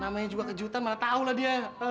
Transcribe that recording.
namanya juga kejutan mana tahulah dia